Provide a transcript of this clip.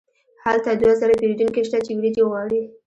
هلته دوه زره پیرودونکي شته چې وریجې غواړي.